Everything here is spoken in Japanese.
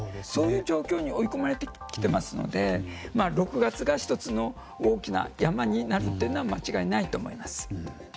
そういう状況に追い込まれてきていますので６月が１つの大きな山になるというのは間違いないと思います。